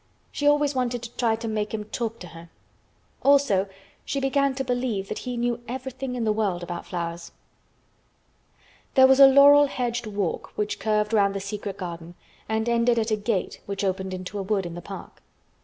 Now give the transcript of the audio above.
She always wanted to try to make him talk to her. Also she began to believe that he knew everything in the world about flowers. There was a laurel hedged walk which curved round the secret garden and ended at a gate which opened into a wood, in the park.